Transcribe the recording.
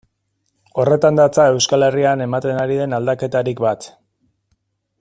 Horretan datza Euskal Herrian ematen ari den aldaketarik bat.